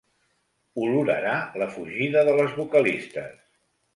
Olorarà la fugida de les vocalistes.